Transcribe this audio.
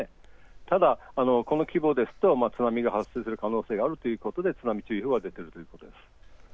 ただ、この規模ですと津波が発生する可能性があるということでため津波発生注意報が出ているということです。